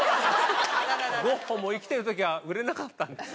ゴッホも生きてるときは売れなかったんです。